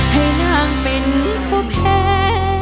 ให้นางเป็นผู้แพ้